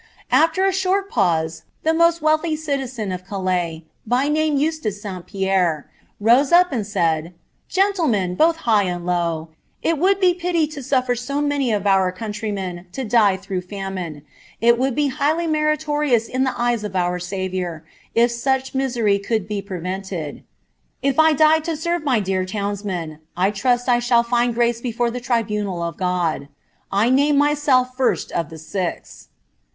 Aller a short pause, llic moat weelllty citizen of Calais, by name Eustace 8l. Pierre, rose up and saidi 'G«nileiueD, both high and low, it would be pity lo sutler so many of our cotiutrymen lo die through famine; It would be highly roeritorioui id ih« eyes of our Saviour if sueh misery could be prevented. If I die lo rve ray dear townsmen, I irusi I shall find grace before the tribunal of God. i name myself Arst of the six.'